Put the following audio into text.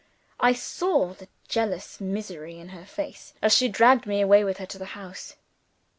I saw the jealous misery in her face as she dragged me away with here to the house.